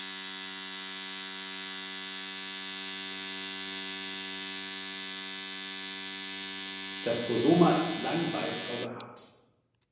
Das Prosoma ist lang weißgrau behaart.